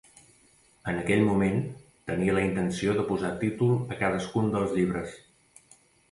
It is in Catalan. En aquell moment, tenia la intenció de posar títol a cadascun dels llibres.